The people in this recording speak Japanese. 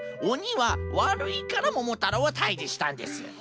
おにはわるいからももたろうはたいじしたんです。